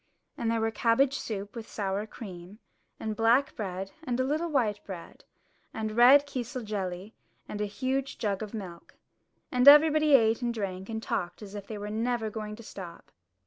And there were cabbage soup with sour cream, and black bread and a little white bread, and red kisel jelly and a huge jug of milk. And everybody ate and drank and talked as if they were never going to stop.